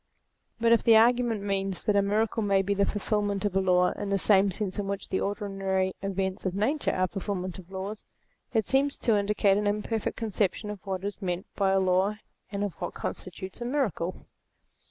But if the argument means that a miracle may be the fulfilment of a law in the same sense in which the ordinary events of Nature are fulfilments of laws, it seems to indicate an imperfect conception of what is meant by a law, and of what constitutes a miracle.